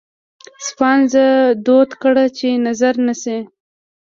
سپانځه دود کړه چې نظره نه شي.